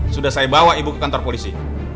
sudah saya bawa ibu ke kantor polisi